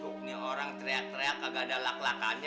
tuk nih orang teriak teriak gak ada lak lakanya